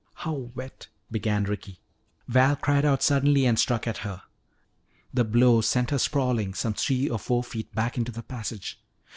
"How wet " began Ricky. Val cried out suddenly and struck at her. The blow sent her sprawling some three or four feet back in the passage.